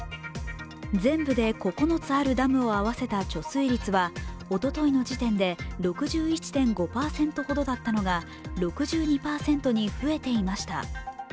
全部で９つあるダムを合わせた貯水率はおとといの時点で、６１．５％ほどだったのが６２％に増えていました。